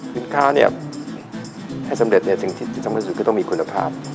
สินค้าให้สำเร็จสิ่งที่สำคัญสุดก็ต้องมีคุณภาพ